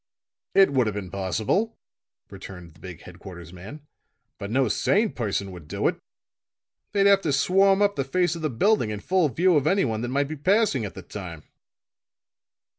"It would have been possible," returned the big headquarters man, "but no sane person would do it. They'd have to swarm up the face of the building in full view of anyone that might be passing at the time."